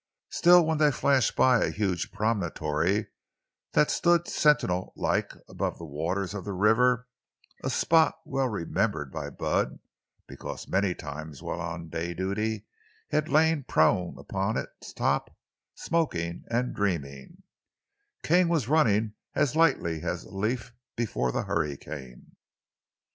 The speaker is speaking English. Still, when they flashed by a huge promontory that stood sentinel like above the waters of the river—a spot well remembered by Bud, because many times while on day duty he had lain prone on its top smoking and dreaming—King was running as lightly as a leaf before the hurricane.